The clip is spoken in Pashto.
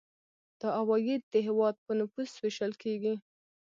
دا عواید د هیواد په نفوس ویشل کیږي.